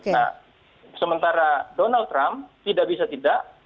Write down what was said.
nah sementara donald trump tidak bisa tidak